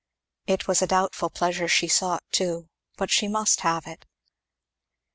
It was a doubtful pleasure she sought too, but she must have it.